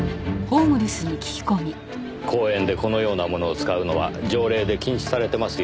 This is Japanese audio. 公園でこのようなものを使うのは条例で禁止されてますよ。